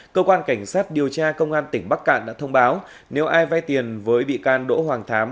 cơ quan cảnh sát điều tra công an tỉnh bắc cạn đã thông báo nếu ai vay tiền với bị can đỗ hoàng thám